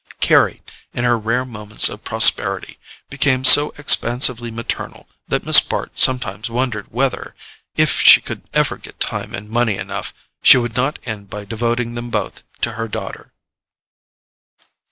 Carry, in her rare moments of prosperity, became so expansively maternal that Miss Bart sometimes wondered whether, if she could ever get time and money enough, she would not end by devoting them both to her daughter.